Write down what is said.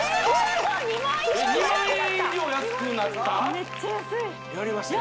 めっちゃ安い！